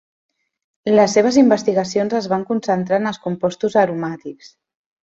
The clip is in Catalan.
Les seves investigacions es van concentrar en els compostos aromàtics.